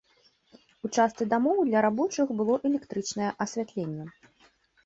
У частцы дамоў для рабочых было электрычнае асвятленне.